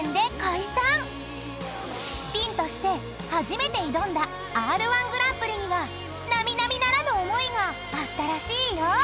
［ピンとして初めて挑んだＲ−１ぐらんぷりには並々ならぬ思いがあったらしいよ］